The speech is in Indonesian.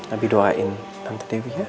abi doain tante dewi ya